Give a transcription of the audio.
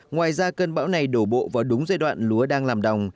ngoài ra cơn bão này đổ bộ vào đúng giai đoạn lúa đang làm đồng